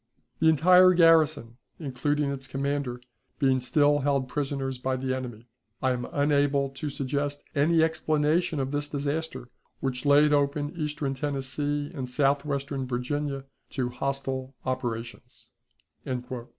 The entire garrison, including its commander, being still held prisoners by the enemy, I am unable to suggest any explanation of this disaster which laid open Eastern Tennessee and Southwestern Virginia to hostile operations."